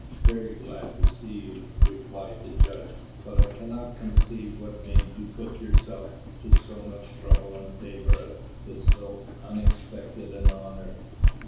"Very glad to see you," replied the judge; "but I cannot conceive what made you put yourself to so much trouble, and favour us with so unexpected an honour."